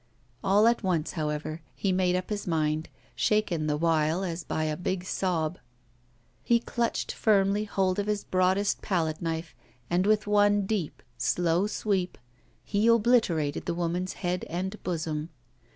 All at once, however, he made up his mind, shaken the while as by a big sob. He clutched firmly hold of his broadest palette knife, and, with one deep, slow sweep, he obliterated the woman's head and bosom.